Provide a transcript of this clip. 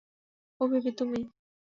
ওহ baby তুমি।